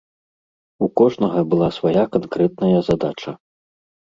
У кожнага была свая канкрэтная задача.